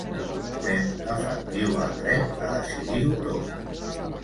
Fem efectiu el dret a decidir-ho tot.